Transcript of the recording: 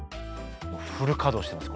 もうフル稼働してます